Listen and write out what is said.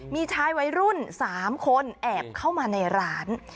มีชายวัยรุ่น๓คนแอบเข้ามาในร้าน